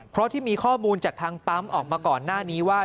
เพราะที่มีข้อมูลจากทางปั๊มออกมาก่อนหน้านี้ว่า